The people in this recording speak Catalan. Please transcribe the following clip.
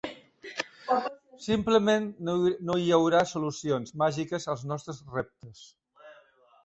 Simplement no hi haurà solucions màgiques als nostres reptes.